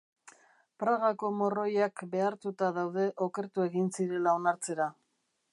Pragako morroiak behartuta daude okertu egin zirela onartzera.